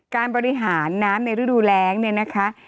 การบริหารน้ำในฤดูแรงเนี่ยนะคะ